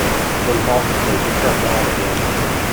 Then cautiously he crept on again.